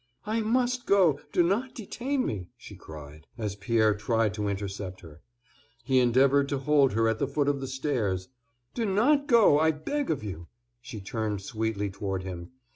"I must go, do not detain me," she cried, as Pierre tried to intercept her. He endeavored to hold her at the foot of the stairs. "Do not go, I beg of you." She turned sweetly toward him.